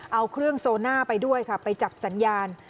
เอาเครื่องโซน่าไปด้วยค่ะไปจับสัญญาณ